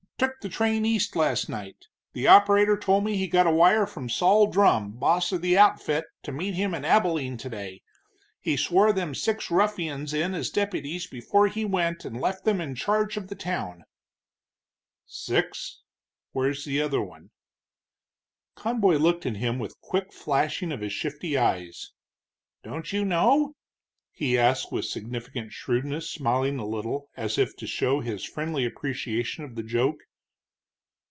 "Took the train east last night. The operator told me he got a wire from Sol Drumm, boss of the outfit, to meet him in Abilene today. He swore them six ruffians in as deputies before he went and left them in charge of the town." "Six? Where's the other one?" Conboy looked at him with quick flashing of his shifty eyes. "Don't you know?" he asked, with significant shrewdness, smiling a little as if to show his friendly appreciation of the joke.